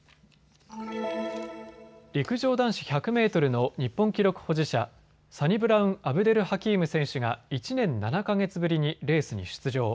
陸上男子１００メートルの日本記録保持者、サニブラウンアブデル・ハキーム選手が１年７か月ぶりにレースに出場。